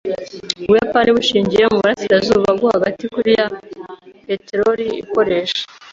Ubuyapani bushingiye muburasirazuba bwo hagati kuri ya peteroli ikoresha.